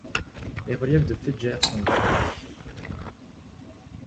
Les reliefs de Fejér sont variés.